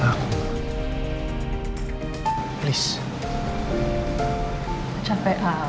mama capek al